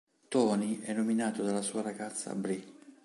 Tony è nominato dalla sua ragazza Bri.